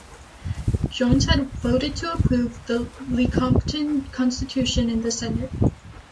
Jones had voted to approve the Lecompton Constitution in the Senate.